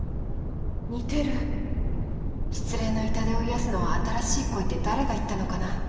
似てる失恋の痛手を癒やすのは新しい恋って誰が言ったのかな